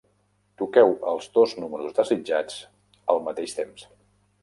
Toqueu els dos números desitjats al mateix temps.